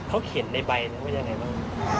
เขาเขียนในใบว่าอย่างไรบ้าง